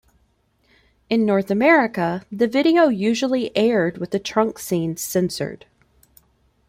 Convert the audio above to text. In North America, the video usually aired with the trunk scene censored.